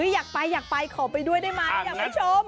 อยากไปอยากไปขอไปด้วยได้ไหมนะคุณผู้ชม